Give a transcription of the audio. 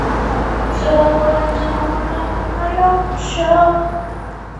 缅因号潜艇的母港为华盛顿州的基察普海军基地。